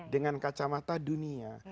dengan kacamata dunia